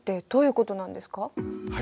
はい。